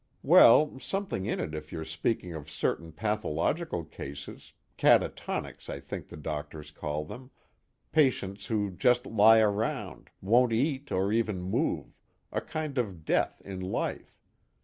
Well something in it if you're speaking of certain pathological cases catatonics I think the doctors call them patients who just lie around, won't eat or even move, a kind of death in life.